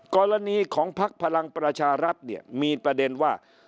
กรณีของพักพลังประชารัฐเนี่ยมีประเด็นว่า